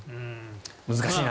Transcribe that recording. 難しいな。